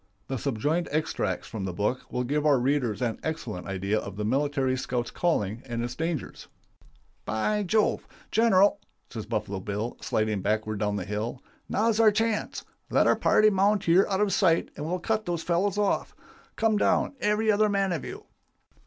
The subjoined extracts from the book will give our readers an excellent idea of the military scout's calling and its dangers: "'By Jove! General,' says Buffalo Bill, sliding backward down the hill, 'now's our chance. Let our party mount here out of sight and we'll cut those fellows off. Come down, every other man of you.